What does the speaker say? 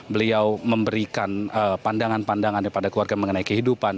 beliau memberikan pandangan pandangan kepada keluarga mengenai kehidupan